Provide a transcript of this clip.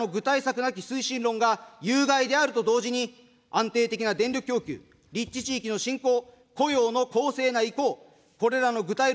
なき推進論が有害であると同時に、安定的な電力供給、立地地域の振興、雇用の公正な移行、これらの具体論